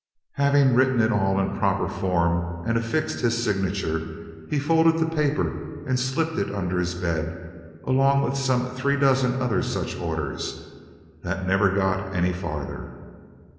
Having written it all in proper form and affixed his signature, he folded the paper and slipped it under his bed along with some three dozen other such orders that never got any farther.